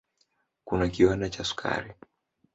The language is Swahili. Kuna kiwanda cha sukari.